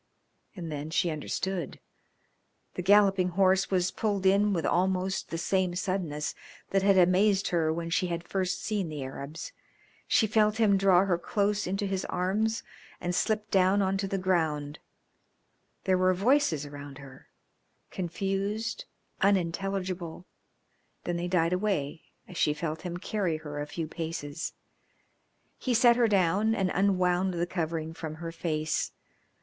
And then she understood. The galloping horse was pulled in with almost the same suddenness that had amazed her when she had first seen the Arabs. She felt him draw her close into his arms and slip down on to the ground; there were voices around her confused, unintelligible; then they died away as she felt him carry her a few paces. He set her down and unwound the covering from her face.